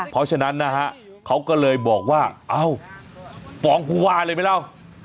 เพราะฉะนั้นเขาก็เลยบอกว่าอ้าวปองกวาเลยไหมเรา